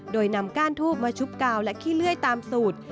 โดยนำก้านทูบมาชุบกาวและขี้เลื่อยตามสูตร